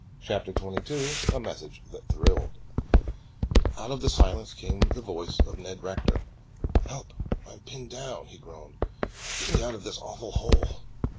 CHAPTER XX A MESSAGE THAT THRILLED Out of the silence came the voice of Ned Rector. "Help, I'm pinned down," he groaned. "Get me out of this awful hole."